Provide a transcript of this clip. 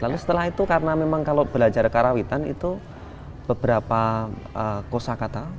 lalu setelah itu karena memang kalau belajar karawitan itu beberapa kosa kata